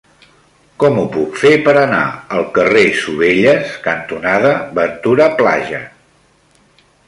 Com ho puc fer per anar al carrer Sovelles cantonada Ventura Plaja?